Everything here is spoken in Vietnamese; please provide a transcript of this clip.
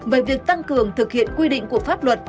về việc tăng cường thực hiện quy định của pháp luật